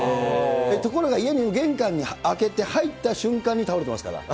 ところが家に玄関開けて入った瞬間に倒れてますから。